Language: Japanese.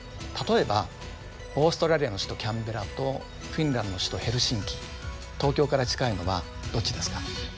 例えばオーストラリアの首都キャンベラとフィンランドの首都ヘルシンキ東京から近いのはどっちですか？